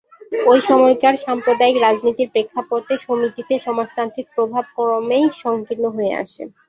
ওই সময়কার সাম্প্রদায়িক রাজনীতির প্রেক্ষাপটে সমিতিতে সমাজতান্ত্রিক প্রভাব ক্রমেই সংকীর্ণ হয়ে আসে।